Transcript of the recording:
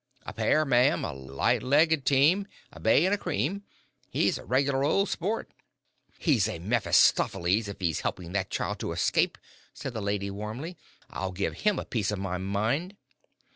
"A pair, ma'am a light legged team a bay and a cream. He's a regular old sport." "He's a Mephistopheles if he's helping that child to escape," said the lady, warmly. "I'll give him a piece of my mind."